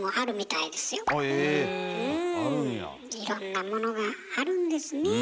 いろんなものがあるんですね。